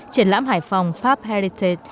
triển lãm hải phòng pháp heritage